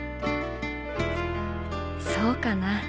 そうかな？